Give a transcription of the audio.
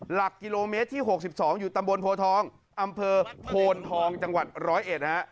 หลักกิโลเมตรที่๖๒อยู่ตำบลโพทองอำเภอโพนทองจังหวัดร้อยเอ็ดฮะ